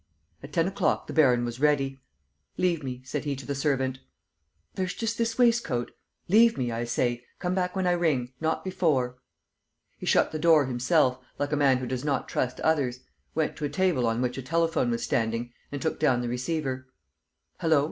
At ten o'clock the baron was ready: "Leave me," said he to the servant. "There's just this waistcoat. ..." "Leave me, I say. Come back when I ring ... not before." He shut the door himself, like a man who does not trust others, went to a table on which a telephone was standing and took down the receiver: "Hullo! ...